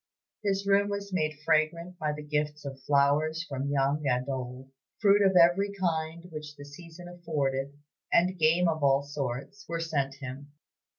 His room was made fragrant by the gifts of flowers from young and old. Fruit of every kind which the season afforded, and game of all sorts, were sent him.